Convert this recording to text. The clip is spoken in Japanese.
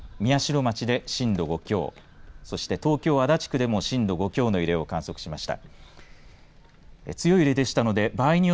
今回の地震、埼玉県宮代町で震度５強そして東京、足立区でも震度５強の揺れを観測しました。